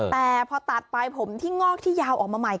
แต่พอตัดไปผมที่งอกที่ยาวออกมาใหม่